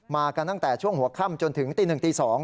มากันตั้งแต่ช่วงหัวค่ำจนถึงตีหนึ่งตีสอง